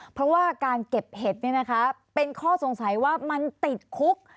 เพราะว่าการเก็บเห็ดเป็นข้อสงสัยว่ามันติดคุก